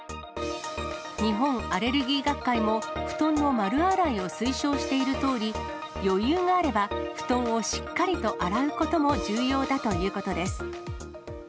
日本アレルギー学会も、布団の丸洗いを推奨しているとおり、余裕があれば、布団をしっかりと洗うことも重要だということです。